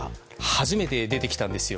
初めて出てきたんですよ